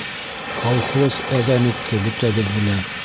Колхоз әҙәм итте бөтәбеҙҙе лә.